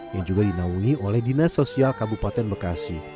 yang juga dinaungi oleh dinas sosial kabupaten bekasi